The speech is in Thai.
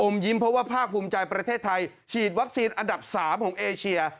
ยิ้มเพราะว่าภาคภูมิใจประเทศไทยฉีดวัคซีนอันดับ๓ของเอเชีย